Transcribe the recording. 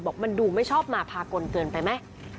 บอกมันดูไม่ชอบมาพากลเกินไปไหม